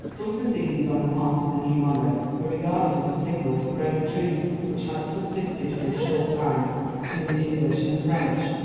Some proceedings, on the part of the new monarch, were regarded as a signal to break the truce which had subsisted for a short time between the English and the French.